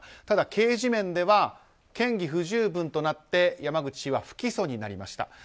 ただ、刑事面では嫌疑不十分となって山口氏は不起訴になりました。